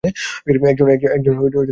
একজন সাচ্চা ভারতীয়।